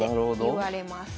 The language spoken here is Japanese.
いわれます。